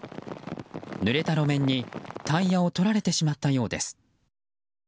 ぬれた路面にタイヤを取られてしまったようです。